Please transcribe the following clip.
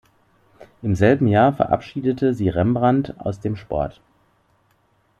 Im selben Jahr verabschiedete sie "Rembrandt" aus dem Sport.